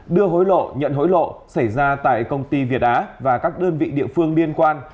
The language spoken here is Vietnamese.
đưa hối lộ nhận hối lộ xảy ra tại công ty việt á và các đơn vị địa phương liên quan